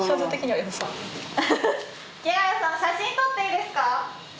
アハハ池谷さん写真撮っていいですか？